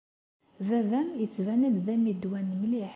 Baba-m yettban-d d ammidwan mliḥ.